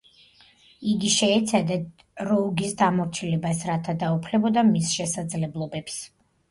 იგი შეეცადა როუგის დამორჩილებას, რათა დაუფლებოდა მის შესაძლებლობებს.